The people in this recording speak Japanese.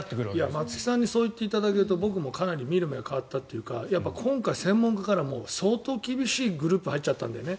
松木さんにそう言っていただけると僕もかなり見る目が変わったというかやっぱり今回、専門家からも相当厳しいグループに入っちゃったんだよね。